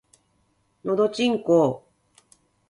のどちんこぉ